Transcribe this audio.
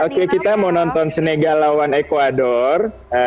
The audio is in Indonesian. oke kita mau nonton snega lawan ecuador